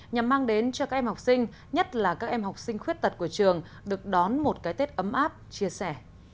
nhằm mang đến cho các em học sinh nhất là các em học sinh khuyết tật của trường được đón một cái tết ấm áp chia sẻ